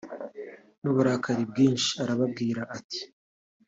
n’ uburakari bwinshi arababwira ati